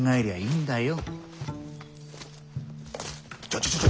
ちょちょちょ！